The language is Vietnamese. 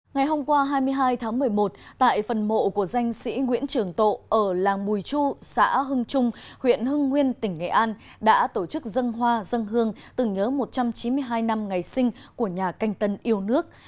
ngày hôm qua hai mươi hai tháng một mươi một tại phần mộ của danh sĩ nguyễn trường tộ ở làng mùi chu xã hưng trung huyện hưng nguyên tỉnh nghệ an đã tổ chức dân hoa dân hương từng nhớ một trăm chín mươi hai năm ngày sinh của nhà canh tân yêu nước một nghìn tám trăm hai mươi tám hai nghìn hai mươi